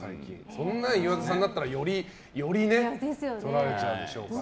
そんなの岩田さんだったらより撮られちゃうでしょうからね。